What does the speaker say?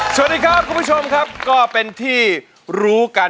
สวัสดีครับคุณผู้ชมครับก็เป็นที่รู้กัน